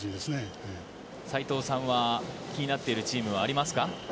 斎藤さんは気になるチームはありますか。